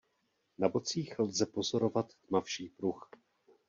Na bocích lze pozorovat tmavší pruh.